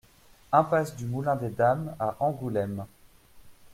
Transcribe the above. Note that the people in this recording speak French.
Impasse du Moulin des Dames à Angoulême